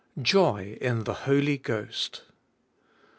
JOY IN THE HOLY GHOST.